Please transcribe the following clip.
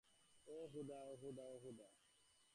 ওহ খোদা, ওহ খোদা, ওহ খোদা!